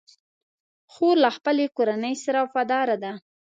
خور له خپلې کورنۍ سره وفاداره ده.